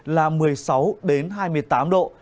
là một mươi sáu hai mươi tám độ